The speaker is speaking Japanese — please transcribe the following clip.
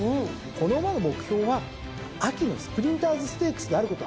この馬の目標は秋のスプリンターズステークスであることは明らかです。